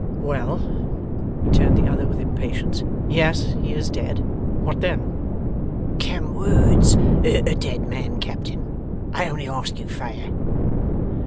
'Well,' returned the other, with impatience, 'yes, he is dead. What then?' 'Can words hurt a dead man, Captain? I only ask you fair.